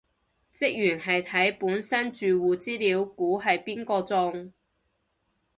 職員係睇本身住戶資料估係邊個中